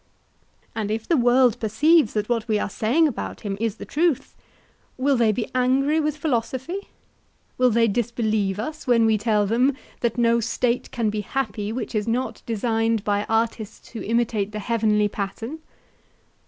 And if the world perceives that what we are saying about him is the truth, will they be angry with philosophy? Will they disbelieve us, when we tell them that no State can be happy which is not designed by artists who imitate the heavenly pattern?